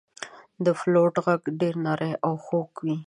• د فلوت ږغ ډېر نری او خوږ وي.